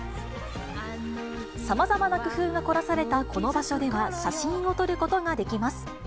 さまざまな工夫が凝らされたこの場所では、写真を撮ることができます。